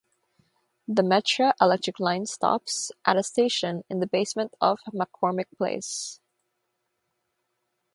The Metra Electric Line stops at a station in the basement of McCormick Place.